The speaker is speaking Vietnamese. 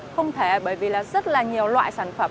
không thể bởi vì là rất là nhiều loại sản phẩm